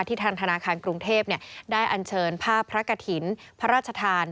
ทางธนาคารกรุงเทพได้อันเชิญภาพพระกฐินพระราชทาน